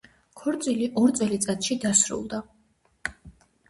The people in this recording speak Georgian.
ქორწილი ორ წელწადში დასრულდა.